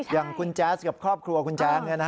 อย่างคุณแจ๊สกับครอบครัวคุณแจ๊ง